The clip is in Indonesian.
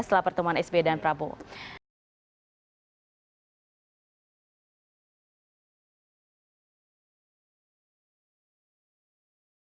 setelah pertemuan sby dan prabowo